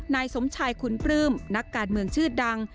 นายสมชายคุณปลื้มนักการเมืองชื่อดัง